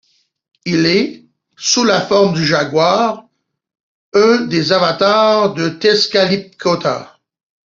Il est, sous la forme du jaguar, un des avatars de Tezcatlipoca.